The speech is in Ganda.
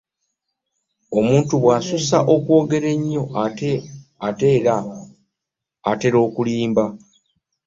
omuntu bw'asussa okwogera ennyo atera okulimba.